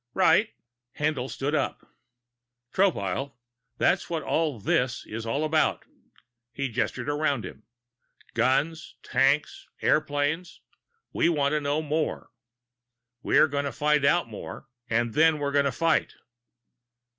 "Right." Haendl stood up. "Tropile, that's what all of this is all about!" He gestured around him. "Guns, tanks, airplanes we want to know more! We're going to find out more and then we're going to fight."